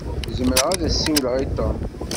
Zemreɣ ad as-siwleɣ i Tom.